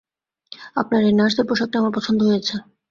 আপনার এই নার্সের পোশাক টি আমার পছন্দ হয়েছে।